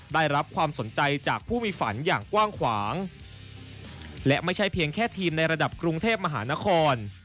ได้รับความสนใจจากผู้มีฝันอย่างกว้างขวางและไม่ใช่เพียงแค่ทีมในระดับกรุงเทพมหานคร